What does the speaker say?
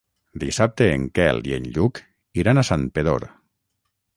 Dissabte en Quel i en Lluc iran a Santpedor.